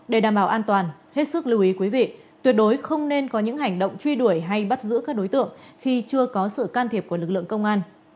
để đảm bảo an toàn hết sức lưu ý quý vị tuyệt đối không nên có những hành động truy đuổi hay bắt giữ các đối tượng khi chưa có sự can thiệp của lực lượng công an